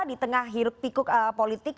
di tengah tikuk politik